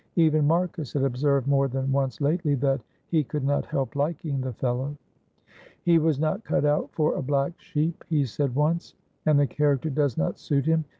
Even Marcus had observed more than once lately that "he could not help liking the fellow." "He was not cut out for a black sheep," he said once, "and the character does not suit him.